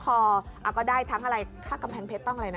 พอก็ได้ทั้งอะไรค่ากำแพงเพชรต้องอะไรนะ